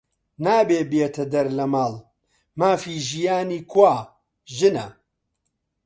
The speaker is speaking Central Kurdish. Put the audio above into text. نابێ بێتە دەر لە ماڵ، مافی ژیانی کوا؟ ژنە